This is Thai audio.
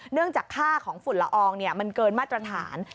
เนื่องจากค่าของฝุ่นละอองมันเกินมาตรฐาน